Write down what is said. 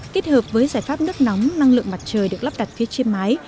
kết hợp với giải pháp nước nóng năng lượng mặt trời được lắp đặt phía trên mái